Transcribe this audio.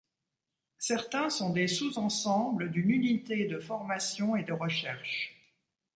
Certains sont des sous-ensembles d’une unité de formation et de recherche.